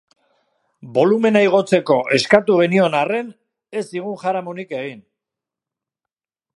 Bolumena igotzeko eskatu genion arren, ez zigun jaramonik egin.